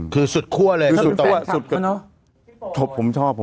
คือสุดคั่วเลยถ้าเป็นแฟนครับใช่ไหมเนอะพี่โปรดนักฟุติบอล